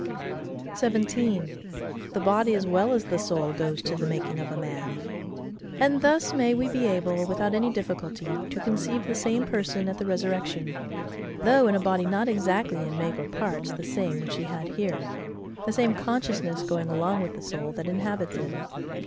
17. The body, as well as the soul, goes to the making of a Man. And thus may we be able, without any difficulty, to conceive the same person at the resurrection, though in a body not exactly in make or parts the same which he had here,—the same consciousness going along with the soul that inhabits it.